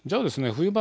冬場